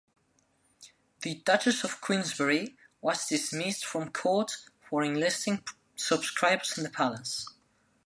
The Duchess of Queensberry was dismissed from court for enlisting subscribers in the palace.